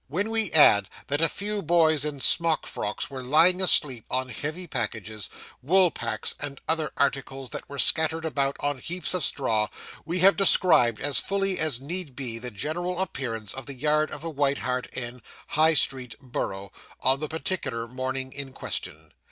When we add that a few boys in smock frocks were lying asleep on heavy packages, wool packs, and other articles that were scattered about on heaps of straw, we have described as fully as need be the general appearance of the yard of the White Hart Inn, High Street, Borough, on the particular morning in question.